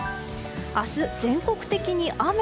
明日、全国的に雨。